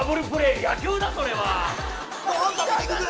野球だそれは！やだ。